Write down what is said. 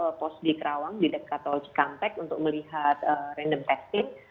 kami sudah berkos di kerawang di dekat kampai untuk melihat random testing